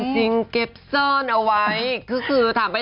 อ๋อซ่อนเอาไว้